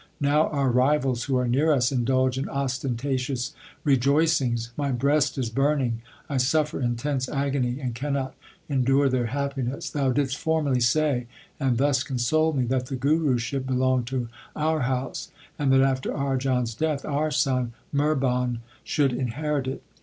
Now our rivals who are near us indulge in ostentatious rejoicings. My breast is burning, I suffer intense agony and cannot endure their happiness. Thou didst formerly say and thus consoled me that the Guruship belonged to our house, and that after Arjan s death our son Mihrban should inherit it.